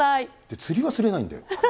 釣りは釣れないんだよ。